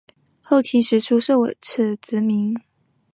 后秦时初设此职名。